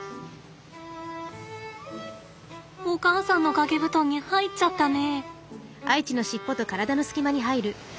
お母さんの掛け布団に入っちゃったね。